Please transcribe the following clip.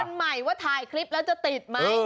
คนใหม่ว่าถ่ายคลิปแล้วจะติดไหม